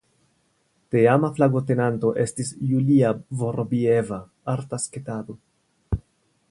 Teama flagotenanto estis "Julia Vorobieva" (arta sketado).